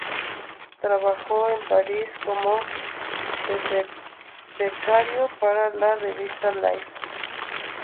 Trabajó en París como becario para la revista "Life".